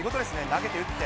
投げて打って。